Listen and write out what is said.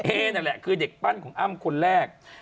นั่นแหละคือเด็กปั้นของอ้ำคนแรก